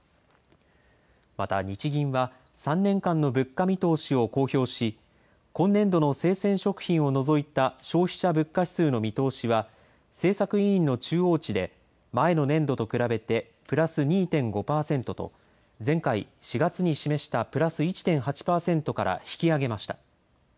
また、日銀は３年間の物価見通しを公表し、今年度の生鮮食品を除いた消費者物価指数の見通しは政策委員の中央値で前の年度と比べて、プラス２．５％と、前回・４月に示したプラス１．８％から引き上げました。